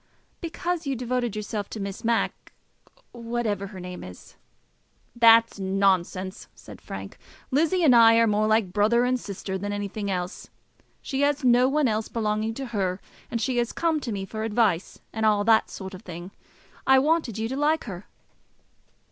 "Because you devoted yourself to Miss Mac whatever her name is." "That's nonsense," said Frank; "Lizzie and I are more like brother and sister than anything else. She has no one else belonging to her, and she has to come to me for advice, and all that sort of thing. I wanted you to like her."